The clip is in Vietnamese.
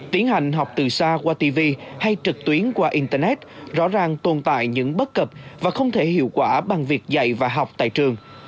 tiến hành học từ xa qua tv hay trực tuyến qua internet rõ ràng tồn tại những bất cập và không thể hiệu quả bằng việc dạy và học tại trường